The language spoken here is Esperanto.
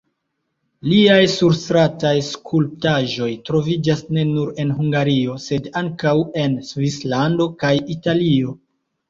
Liaj surstrataj skulptaĵoj troviĝas ne nur en Hungario, sed ankaŭ en Svislando kaj Italio.